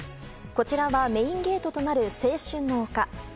こちらはメインゲートとなる青春の丘。